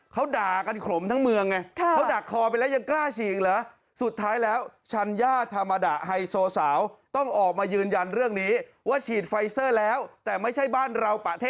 คุณเห็นอะไรเหรอ